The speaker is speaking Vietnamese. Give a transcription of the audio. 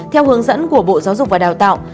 theo hướng dẫn của bộ giáo dục và ngoại truyền thống